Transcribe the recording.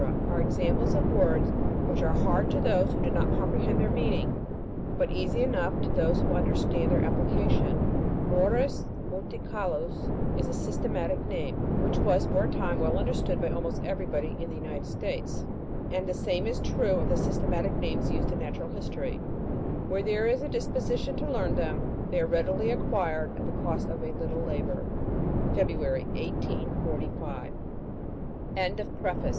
are examples of words which are hard to those who do not comprehend their meaning, but easy enough to those who understand their applica tion. Morus multicaulis is a systematic name, which was for a time well understood by almost everybody in the United States. And the same is true of the systematic names used in Natural History. Where there is a dispo sition to learn them, they are readily acquired at the cost of a little labour.